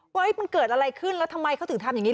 ว่ามันเกิดอะไรขึ้นแล้วทำไมเขาถึงทำอย่างนี้